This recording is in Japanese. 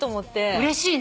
うれしいね。